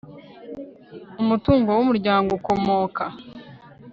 Umutungo w umuryango ukomoka